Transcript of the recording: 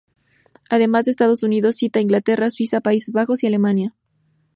Además de Estados Unidos, cita a Inglaterra, Suiza, Países Bajos y Alemania.